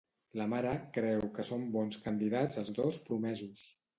La mare creu que són bons candidats els dos promesos?